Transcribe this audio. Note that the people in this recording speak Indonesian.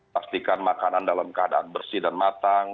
pastikan makanan dalam keadaan bersih dan matang